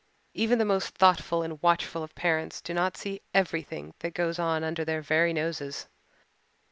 Even the most thoughtful and watchful of parents do not see everything that goes on under their very noses.